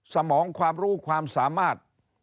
สมองความรู้ความสามารถ